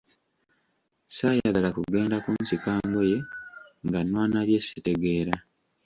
Saayagala kugenda kunsika ngoye nga nwana byesitegeera.